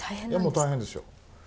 もう大変ですよ。